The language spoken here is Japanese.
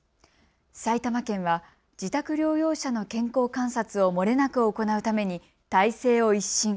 埼玉県は自宅療養者の健康観察を漏れなく行うために体制を一新。